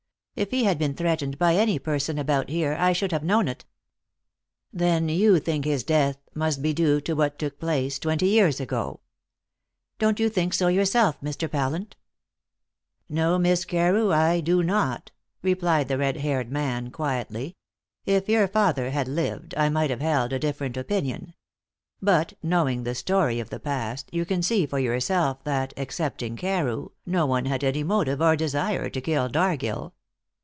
If he had been threatened by any person about here, I should have known of it." "Then you think his death must be due to what took place twenty years ago?" "Don't you think so yourself, Mr. Pallant?" "No, Miss Carew, I do not," replied the red haired man quietly. "If your father had lived I might have held a different opinion. But, knowing the story of the past, you can see for yourself that, excepting Carew, no one had any motive or desire to kill Dargill."